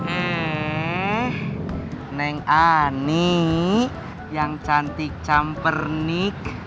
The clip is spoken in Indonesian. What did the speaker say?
eh neng ani yang cantik campurnik